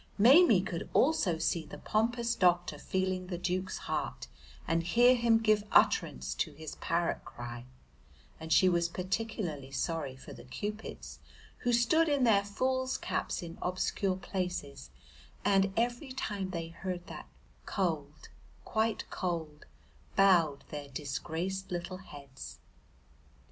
Maimie could also see the pompous doctor feeling the Duke's heart and hear him give utterance to his parrot cry, and she was particularly sorry for the Cupids, who stood in their fools' caps in obscure places and, every time they heard that "Cold, quite cold," bowed their disgraced little heads.